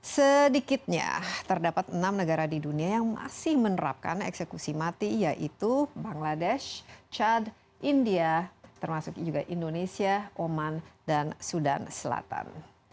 sedikitnya terdapat enam negara di dunia yang masih menerapkan eksekusi mati yaitu bangladesh chad india termasuk juga indonesia oman dan sudan selatan